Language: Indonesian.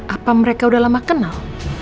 apa mereka udah lama kenal